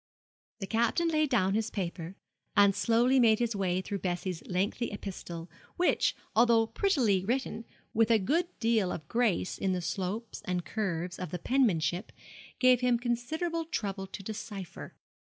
The Captain laid down his paper, and slowly made his way through Bessie's lengthy epistle, which, although prettily written, with a good deal of grace in the slopes and curves of the penmanship, gave him considerable trouble to decipher.